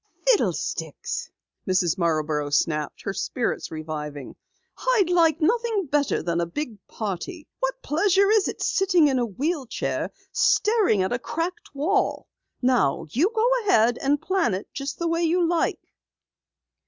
"Fiddlesticks!" Mrs. Marborough snapped, her spirits reviving. "I'd like nothing better than a big party. What pleasure is it sitting in a wheel chair staring at a cracked wall? Now you go ahead and plan it just the way you like."